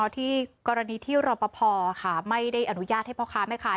ที่กรณีที่รอปภไม่ได้อนุญาตให้พ่อค้าแม่ค้า